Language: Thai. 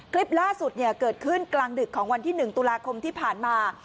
คลิปล่าสุดเกิดขึ้นกลางดึกของวันที่๑ตุลาคมที่ผ่านมา